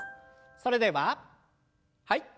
それでははい。